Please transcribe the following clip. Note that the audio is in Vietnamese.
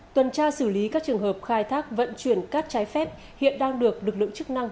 tuần tra xử lý các trường hợp khai thác vận chuyển cát trái phép hiện đang được lực lượng chức năng